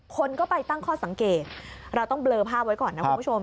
คนก็ไปตั้งข้อสังเกตเราต้องเบลอภาพไว้ก่อนนะคุณผู้ชม